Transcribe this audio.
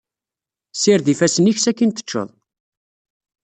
Sired ifassen-ik sakin teččeḍ.